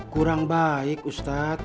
kurang baik ustadz